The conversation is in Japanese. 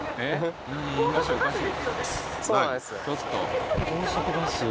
そうなんです。